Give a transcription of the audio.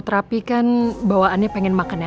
tinggal ini aja